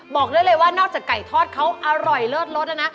บอกได้เลยว่านอกจากไก่ทอดเขาอร่อยเลิศรสแล้วนะ